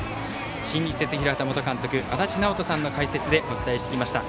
新日鉄広畑元監督足達尚人さんの解説でお伝えしてきました。